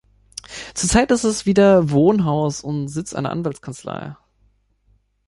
Zurzeit ist es wieder Wohnhaus und Sitz einer Anwaltskanzlei.